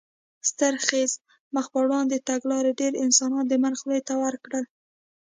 ستر خېز مخ په وړاندې تګلارې ډېر انسانان د مرګ خولې ته ور کړل.